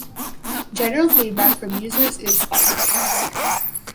general feedback from users is positive